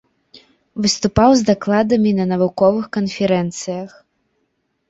Выступаў з дакладамі на навуковых канферэнцыях.